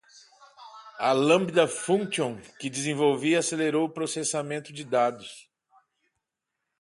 A Lambda Function que desenvolvi acelerou o processamento de dados.